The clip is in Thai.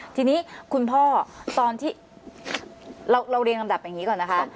ทีนี้คุณพ่อตอนที่เราเรียงลำดับอย่างนี้ก่อนนะคะ